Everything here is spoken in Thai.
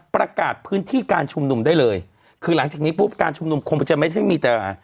ประกาศพื้นที่การชุมนุมได้เลยคือหลังจากนี้ปุ๊บการชุมนุมคงจะไม่ใช่มีแต่